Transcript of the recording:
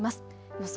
予想